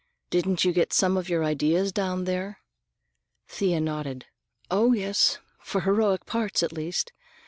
Didn't you get some of your ideas down there?" Thea nodded. "Oh, yes! For heroic parts, at least.